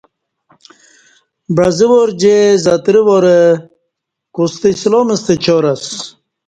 بعزہ وار جی زترہ وار کوستہ اسلام ستہ چاراسہ